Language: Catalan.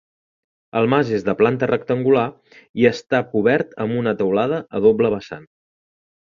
El mas és de planta rectangular i està cobert amb una teulada a doble vessant.